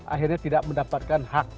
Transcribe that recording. akhirnya tidak mendapatkan hak